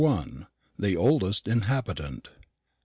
THE OLDEST INHABITANT.